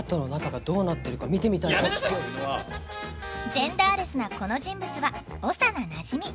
ジェンダーレスなこの人物は長名なじみ。